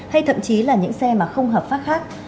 hay thậm chí là những xe mà không hợp pháp khác